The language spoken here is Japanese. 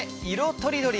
とりどり